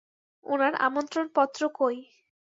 উনার আমন্ত্রণপত্র কোই?